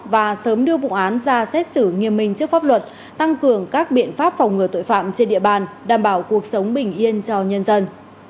và sớm đưa vụ án ra xét xử nghiêm minh trước pháp luật tăng cường các biện pháp phòng ngừa tội phạm trên địa bàn đảm bảo cuộc sống bình yên cho nhân dân